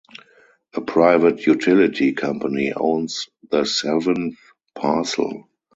A private utility company owns the seventh parcel.